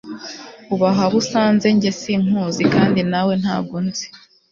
ubaha abo usanze njye sinkuzi kandi nawe ntabwo unzi